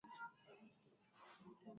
mapafu na zinaweza kupita kwenye mfumo wa